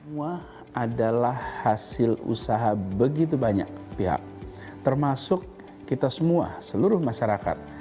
semua adalah hasil usaha begitu banyak pihak termasuk kita semua seluruh masyarakat